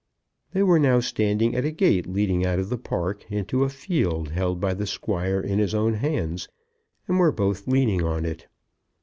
They were now standing at a gate leading out of the park into a field held by the Squire in his own hands, and were both leaning on it.